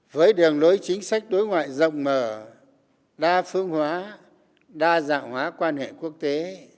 với đường lối chính sách đối ngoại rộng mở đa phương hóa đa dạng hóa quan hệ quốc tế